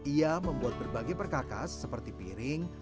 ia membuat berbagai perkakas seperti piring